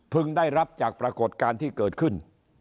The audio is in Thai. ได้รับจากปรากฏการณ์ที่เกิดขึ้น